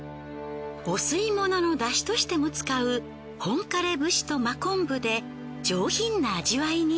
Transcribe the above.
お吸い物の出汁としても使う本枯れ節と真昆布で上品な味わいに。